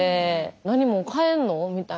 なにもう帰んの？みたいな。